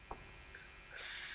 pada saat bertugas di kepolisian dulu